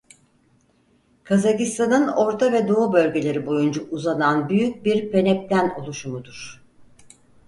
Kazakistan'ın orta ve doğu bölgeleri boyunca uzanan büyük bir peneplen oluşumudur.